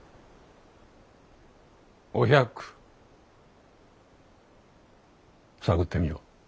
お百探ってみよう。